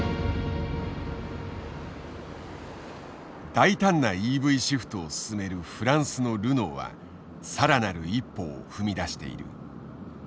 大胆なＥＶシフトを進めるフランスのルノーはさらなる一歩を踏み出している。